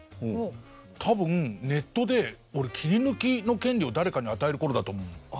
多分ネットで俺切り抜きの権利を誰かに与える頃だと思うの。